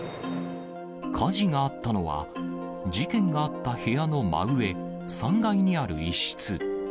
火事があったのは、事件があった部屋の真上、３階にある一室。